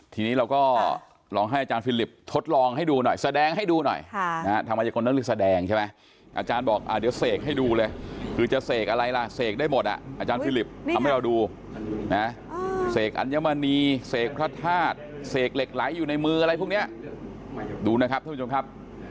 ทีนี้เราก็ลองให้อาจารย์ฟิลิปทดลองให้ดูหน่อยแสดงให้ดูหน่อยทำไมคนต้องรีบแสดงใช่ไหมอาจารย์บอกเดี๋ยวเสกให้ดูเลยคือจะเสกอะไรล่ะเสกได้หมดอ่ะอาจารย์ฟิลิปทำให้เราดูนะเสกอัญมณีเสกพระธาตุเสกเหล็กไหลอยู่ในมืออะไรพวกนี้ดูนะครับท่านผู้ชมครับ